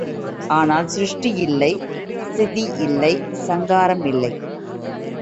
அதனால் சிருஷ்டி இல்லை ஸ்திதி இல்லை சங்காரம் இல்லை.